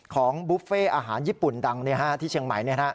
ของบุฟเฟ่อาหารญี่ปุ่นดังที่เชียงใหม่